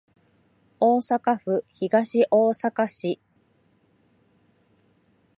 大阪府東大阪市